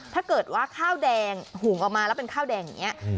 ถ้าเกิดว่าข้าวแดงหุงออกมาแล้วเป็นข้าวแดงอย่างนี้